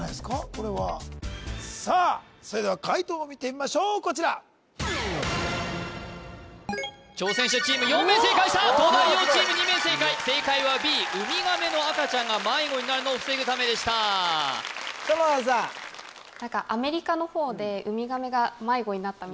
これはさあそれでは解答を見てみましょうこちら挑戦者チーム４名正解者東大王チーム２名正解正解はＢウミガメの赤ちゃんが迷子になるのを防ぐためでした園田さん園田さん